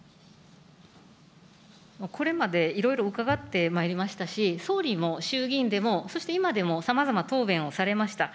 これまでいろいろ伺ってまいりましたし、総理も衆議院でも、そして今でも、さまざま答弁をされました。